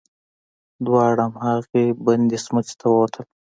دواړه هماغې بندې سمڅې ته ووتل.